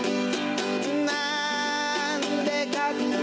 なんでか？